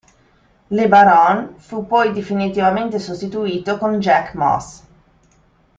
LeBaron fu poi definitivamente sostituito con Jack Moss.